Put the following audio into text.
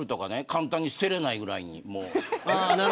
簡単に捨てれないぐらいに。